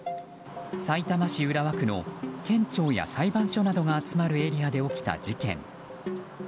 さいたま市浦和区の県庁や裁判所などが集まるエリアで起きた事件。